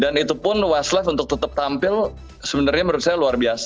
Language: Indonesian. dan itu pun westlife untuk tetap tampil sebenarnya menurut saya luar biasa